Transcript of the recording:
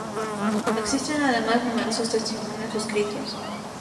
Existen además numerosos testimonios escritos.